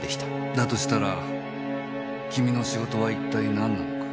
だとしたら君の仕事は一体何なのか？